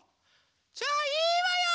じゃあいいわよ！